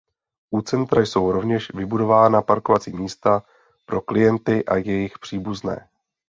U centra jsou rovněž vybudována parkovací místa pro klienty a jejich příbuzné.